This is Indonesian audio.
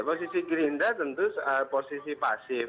posisi gerindra tentu posisi pasif